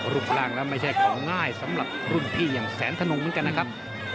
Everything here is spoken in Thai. รูปร่างแล้วไม่ใช่ของง่ายสำหรับรุ่นพี่อย่างแสนธนงเหมือนกันนะครับ